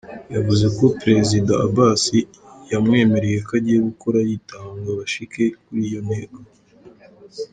Yavuze ko Prezida Abbas yamwemereye ko agiye gukora yitanga ngo bashike kuri iyo ntego.